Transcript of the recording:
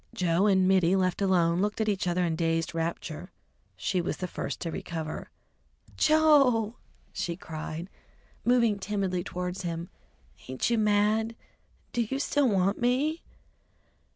Joe and Mittie, left alone, looked at each other in dazed rapture. She was the first to recover. "Joe!" she cried, moving timidly towards him, "ain't you mad? Do you still want me?"